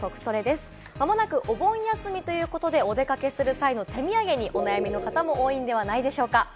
間もなくお盆休みということで、お出かけする際の手土産にお悩みの方も多いのではないでしょうか？